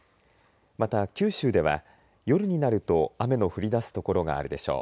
また九州では夜になると雨の降りだす所があるでしょう。